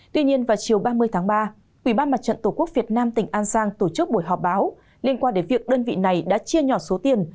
tuy nhiên vào chiều ba mươi tháng ba ubnd tq việt nam tỉnh an giang tổ chức buổi họp báo liên quan đến việc đơn vị này đã chia nhỏ số tiền